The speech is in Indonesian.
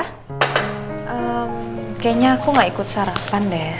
kayaknya aku gak ikut sarapan deh